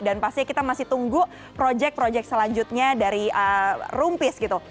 dan pasti kita masih tunggu project project selanjutnya dari room peace gitu